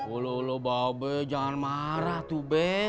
ulu ulu babe jangan marah tuh be